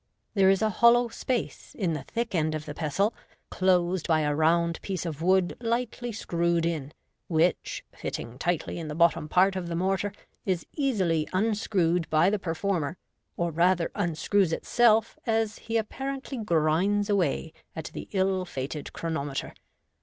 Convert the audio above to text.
There is a hollow space in tht thick end of the pestle, closed by a round piece of wood lightly screwed in, which, fitting tightly in the bottom part of the mortar, is easily unscrewed by the performer, or rather unscrews itself, as he apparently grinds away at the ill fated chronometer.